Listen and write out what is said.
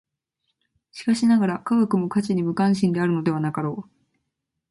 しかしながら、科学も価値に無関心であるのではなかろう。